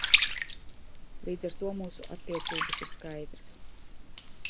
Līdz ar to mūsu attiecības ir skaidras.